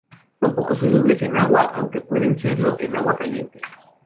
Son poco solubles en agua, aunque pueden serlo en agua caliente.